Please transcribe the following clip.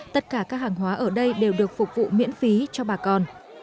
tất cả các hàng hóa ở đây đều được phục vụ miễn phí cho bà con